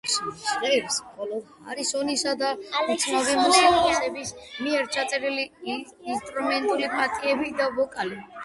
სიმღერაში ჟღერს მხოლოდ ჰარისონისა და უცნობი მუსიკოსების მიერ ჩაწერილი ინსტრუმენტული პარტიები და ვოკალი.